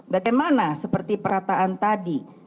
bagaimana seperti perataan tadi